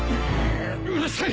うるさい！